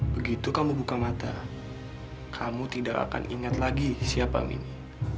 begitu kamu buka mata kamu tidak akan ingat lagi siapa mini